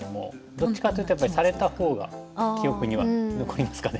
どっちかっていうとやっぱりされたほうが記憶には残りますかね。